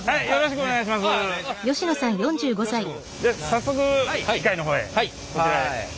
早速機械の方へこちらへ。